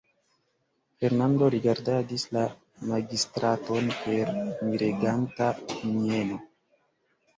Fernando rigardadis la magistraton per mireganta mieno.